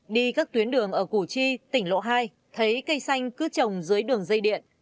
đi các tuyến đường ở củ chi tỉnh lộ hai thấy cây xanh cứ trồng dưới đường dây điện